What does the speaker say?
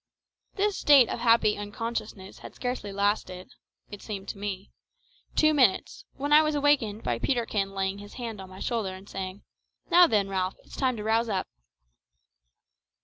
This state of happy unconsciousness had scarcely lasted it seemed to me two minutes, when I was awakened by Peterkin laying his hand on my shoulder and saying "Now then, Ralph, it's time to rouse up."